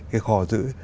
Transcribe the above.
cái kho giữ đấy